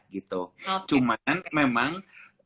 gitu cuman memang